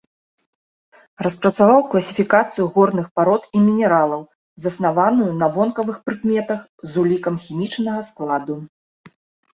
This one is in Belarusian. Распрацаваў класіфікацыю горных парод і мінералаў, заснаваную на вонкавых прыкметах з улікам хімічнага складу.